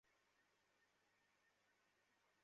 আমরা অ্যাম্বুলেন্সে ধাক্কা মারবো না।